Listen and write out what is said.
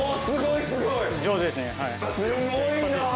すごいな！